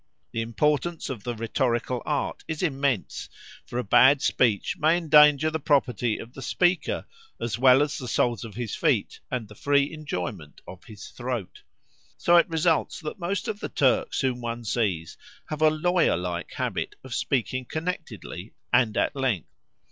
The importance of the rhetorical art is immense, for a bad speech may endanger the property of the speaker, as well as the soles of his feet and the free enjoyment of his throat. So it results that most of the Turks whom one sees have a lawyer like habit of speaking connectedly, and at length.